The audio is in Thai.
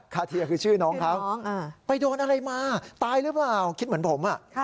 เทียคือชื่อน้องเขาไปโดนอะไรมาตายหรือเปล่าคิดเหมือนผม